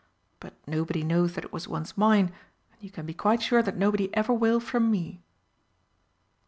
But nobody knows that it was once mine, and you can be quite sure that nobody ever will, from me."